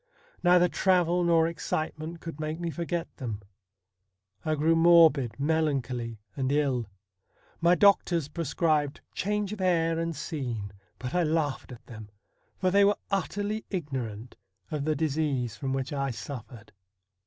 Neither travel nor excitement could make me forget them. I grew morbid, melancholy, and ill. My doctors prescribed change of air and scene, but I laughed at them, for they were utterly ignorant of the disease from which I suffered.